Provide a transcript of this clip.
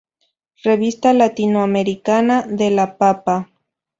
Revista Latinoamericana de la Papa.